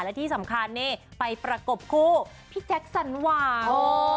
และที่สำคัญนี่ไปประกบคู่พี่แจ็คสันหวัง